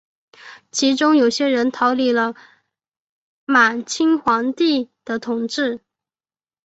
其中有些人逃离了满清皇帝的统治。